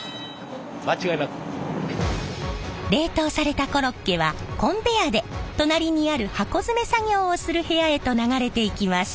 冷凍されたコロッケはコンベヤーで隣にある箱詰め作業をする部屋へと流れていきます。